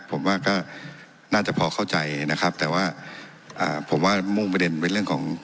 ผมว่าก็น่าจะพอเข้าใจนะครับแต่ว่าอ่าผมว่ามุ่งประเด็นไปเรื่องของ